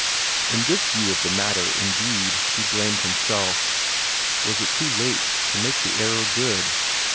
In this view of the matter, indeed, he blamed himself. Was it too late to make the error good?